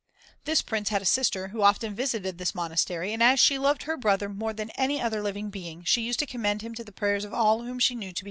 This Prince had a sister (5) who often visited this monastery, and as she loved her brother more than any other living being, she used to commend him to the prayers of all whom she knew to be good.